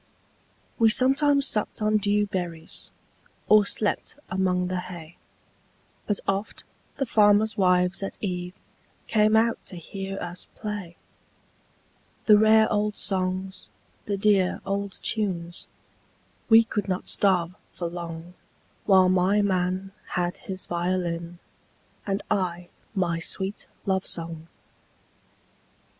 We sometimes supped on dew berries, Or slept among the hay, But oft the farmers' wives at eveCame out to hear us play; The rare old songs, the dear old tunes,—We could not starve for longWhile my man had his violin, And I my sweet love song.